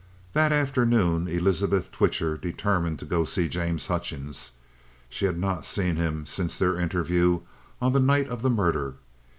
That afternoon Elizabeth Twitcher determined to go to see James Hutchings. She had not seen him since their interview on the night of the murder.